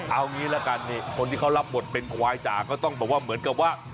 เอางี้ละกันนี่คนที่เขารับบทเป็นควายจ่าก็ต้องบอกว่าเหมือนกับว่า